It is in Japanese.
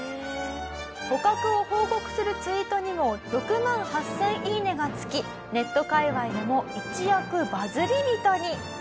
捕獲を報告するツイートにも６万８０００「いいね」がつきネット界隈でも一躍バズり人に。